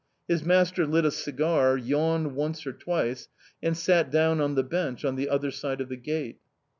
His master lit a cigar, yawned once or twice, and sat down on the bench on the other side of the gate.